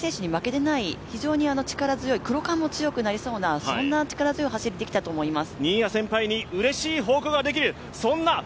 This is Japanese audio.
走りも外人選手に負けていない、非常に力強い、クロカンも強くなりそうな、力強く走ってきたと思います。